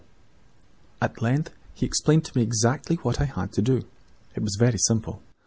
"At last he explained exactly what I was to do. It was very simple.